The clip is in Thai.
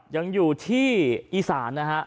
ยังอยู่ที่อีสานนะฮะ